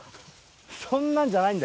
そんなんじゃないんだよ。